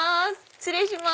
失礼します。